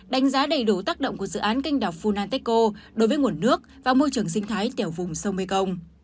đánh giá đầy đủ tác động của dự án kênh đảo funantico đối với nguồn nước và môi trường sinh thái tiểu vùng sông mekong